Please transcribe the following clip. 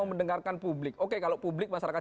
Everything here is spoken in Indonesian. mendengarkan publik oke kalau publik masyarakat